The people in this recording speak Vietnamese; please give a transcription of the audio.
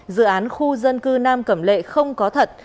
dự án khu dân cư nam cầm lệ không có thật